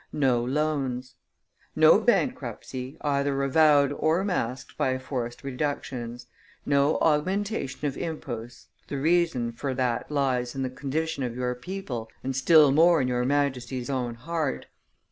No loans. No bankruptcy, either avowed or masked by forced reductions. No augmentation of imposts the reason for that lies in the condition of your people, and still more in your Majesty's own heart.